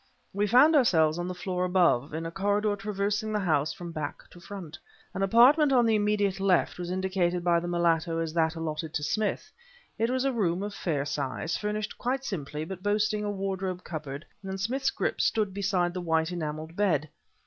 We found ourselves on the floor above, in a corridor traversing the house from back to front. An apartment on the immediate left was indicated by the mulatto as that allotted to Smith. It was a room of fair size, furnished quite simply but boasting a wardrobe cupboard, and Smith's grip stood beside the white enameled bed.